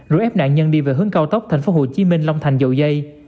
rồi ép nạn nhân đi về hướng cao tốc thành phố hồ chí minh long thành dậu dây